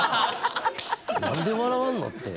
何で笑わんのって。